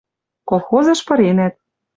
Колхозыш пыренӓт